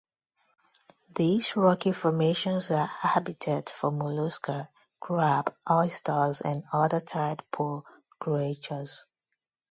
These rocky formations are habitat for mollusca, crab, oysters, and other tide pool creatures.